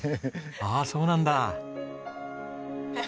ああそうなんだ。